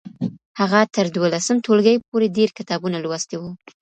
هغه تر دولسم ټولګي پورې ډیر کتابونه لوستي وو.